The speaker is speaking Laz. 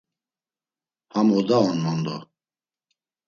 “Ham oda on mondo?”